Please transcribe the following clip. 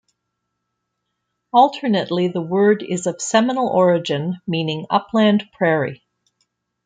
Alternatively, the word is of Seminole origin meaning "Upland Prairie".